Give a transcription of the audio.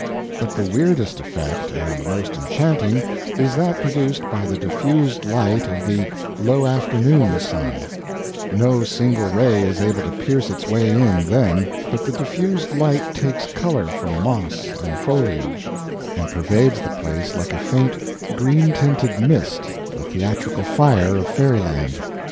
But the weirdest effect, and the most enchanting is that produced by the diffused light of the low afternoon sun; no single ray is able to pierce its way in, then, but the diffused light takes color from moss and foliage, and pervades the place like a faint, green tinted mist, the theatrical fire of fairyland.